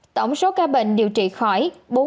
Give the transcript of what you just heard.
tổng số ca bệnh điều trị khỏi